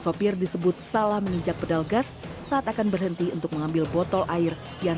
sopir disebut salah menginjak pedal gas saat akan berhenti untuk mengambil botol air yang